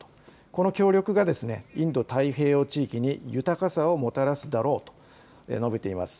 この協力がインド太平洋地域に豊かさをもたらすだろうと述べています。